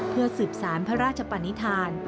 เพื่อสืบสารพระราชปนิษฐาน